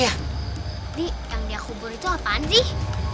jadi yang dia kubur itu apaan sih